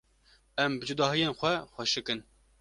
Em bi cudahiyên xwe xweşik in.